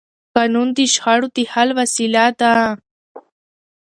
قانون د شخړو د حل وسیله ده